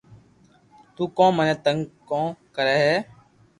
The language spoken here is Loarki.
تو ڪو مني تنگ ڪو ڪري ھي